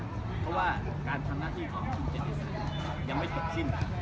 เพราะว่าการทำหน้าที่ของคุณเจนิสัยยังไม่เสร็จสิ้น